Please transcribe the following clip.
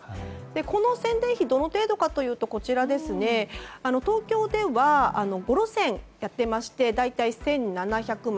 この宣伝費どの程度かというと東京では５路線やっていまして大体１７００枚。